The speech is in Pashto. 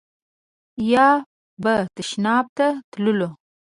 یا به تشناب ته تللو.